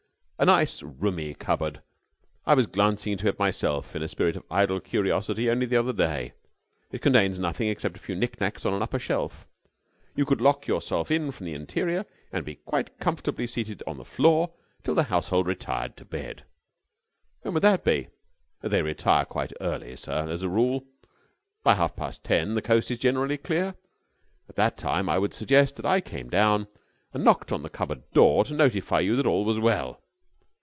A nice, roomy cupboard. I was glancing into it myself in a spirit of idle curiosity only the other day. It contains nothing except a few knick knacks on an upper shelf. You could lock yourself in from the interior, and be quite comfortably seated on the floor till the household retired to bed." "When would that be?" "They retire quite early, sir, as a rule. By half past ten the coast is generally clear. At that time I would suggest that I came down and knocked on the cupboard door to notify you that all was well."